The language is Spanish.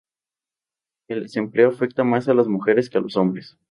El desempleo afecta más a las mujeres que a los hombres.